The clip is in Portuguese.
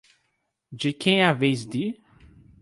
De quem é a vez de?